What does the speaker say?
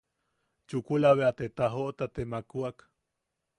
Chukula bea te tajoʼota te makwak.